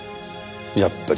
やっぱり。